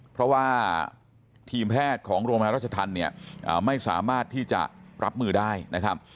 เพราะว่าทีมแพทย์ของโรงพยาบาลรัชธรรมเนี่ยไม่สามารถที่จะรับมือได้นะครับ